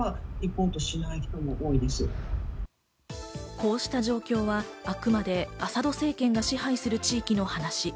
こうした状況は、あくまで、アサド政権が支配する地域の話。